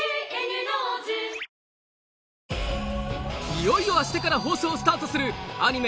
いよいよ明日から放送スタートするアニメ